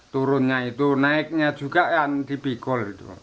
turunnya itu naiknya juga kan dipikul